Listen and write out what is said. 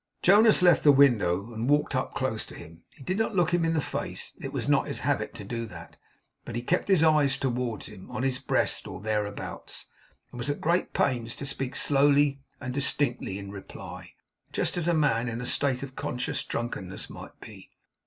Jonas left the window, and walked up close to him. He did not look him in the face; it was not his habit to do that; but he kept his eyes towards him on his breast, or thereabouts and was at great pains to speak slowly and distinctly in reply. Just as a man in a state of conscious drunkenness might be.